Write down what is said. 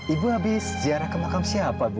ibu habis ziarah kemakam siapa bu